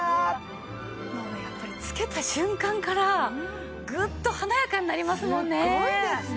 もうねやっぱり着けた瞬間からグッと華やかになりますもんね。